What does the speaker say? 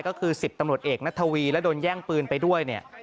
ก็คือ๑๐ตำรวจเอกนัทวีและโดนแย่งปืนไปด้วยเนี่ย